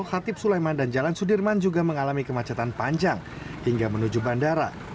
khatib sulaiman dan jalan sudirman juga mengalami kemacetan panjang hingga menuju bandara